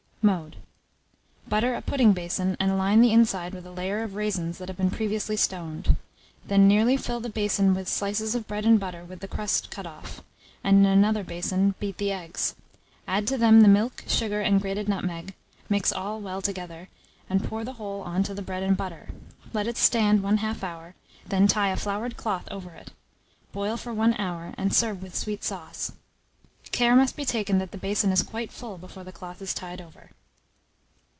Mode. Butter a pudding basin, and line the inside with a layer of raisins that have been previously stoned; then nearly fill the basin with slices of bread and butter with the crust cut off, and, in another basin, beat the eggs; add to them the milk, sugar, and grated nutmeg; mix all well together, and pour the whole on to the bread and butter; let it stand 1/2 hour, then tie a floured cloth over it; boil for 1 hour, and serve with sweet sauce. Care must be taken that the basin is quite full before the cloth is tied over.